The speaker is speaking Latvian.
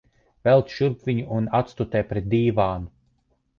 Velc šurp viņu un atstutē pret dīvānu.